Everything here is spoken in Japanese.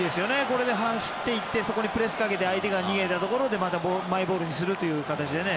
これで走って行ってそこにプレスをかけて相手が逃げたところをマイボールにする形で。